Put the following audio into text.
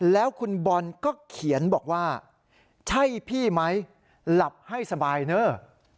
แล้วคุณบอลก็เขียนบอกว่าใช่พี่ไหมหลับให้สบายเนอะ